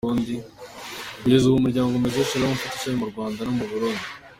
Kugeza ubu umuryango Maison Shalom ufite ishami mu Rwanda no mu Burundi.